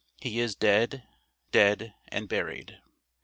He is dead, dead and buried.